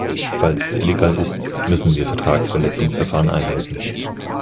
Falls es illegal ist, müssen wir Vertragsverletzungsverfahren einleiten.